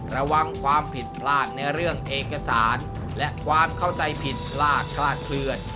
ระวังความผิดพลาดในเรื่องเอกสารและความเข้าใจผิดพลาดคลาดเคลื่อน